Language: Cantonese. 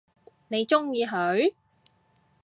你鍾意佢？